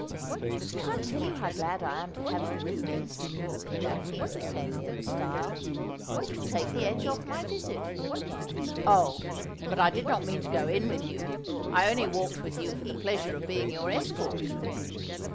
'Love maJceth All to gone Misway.' 71 ' I can't tell you how glad I am to have you with me,' said Daphne as they came near the stile. ' It will take the edge oft my visit.' ' Oh, but I did not mean to go in with you. I only walked with you for the pleasure of being your escort.'